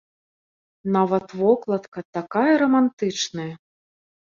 Нават вокладка такая рамантычная.